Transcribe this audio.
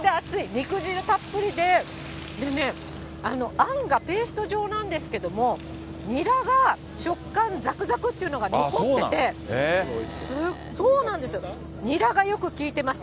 肉汁たっぷりで、でね、あんがペースト状なんですけども、ニラが食感、ざくざくっていうのが残ってて、ニラがよくきいてます。